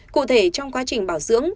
cụ thể trong quá trình bảo dưỡng